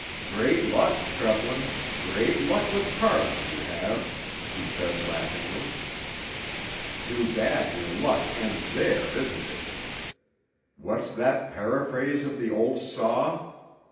"Great luck, Treplin; great luck with cards you have!" he said laughingly. "Too bad your luck ends there, isn't it? What's that paraphrase of the old saw?